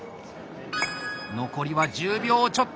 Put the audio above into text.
残りは１０秒ちょっと。